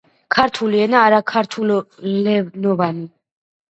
ქართული ენა არაქართულენოვანი